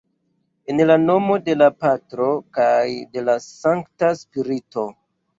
En la nomo de la Patro kaj de la Sankta Spirito.